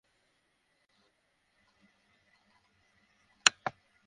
এমন নানা ধরনের অন্যায় করে চলছিলেন দিনাজপুরের বিরামপুর পৌর শহরের দুই যুবক।